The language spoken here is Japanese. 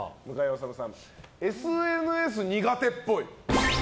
ＳＮＳ苦手っぽい。